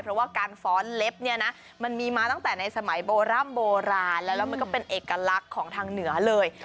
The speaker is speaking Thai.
เพราะว่าการฟ้อนเล็บเนี่ยนะมันมีมาตั้งแต่ในสมัยโบร่ำโบราณแล้วแล้วมันก็เป็นเอกลักษณ์ของทางเหนือเลย